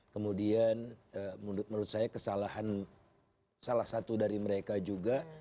kemudian menurut saya kesalahan salah satu dari mereka juga